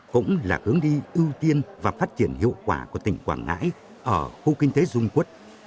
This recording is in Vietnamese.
cũng là hướng đi ưu tiên và phát triển hiệu quả của tỉnh quảng ngãi ở khu kinh tế dung quốc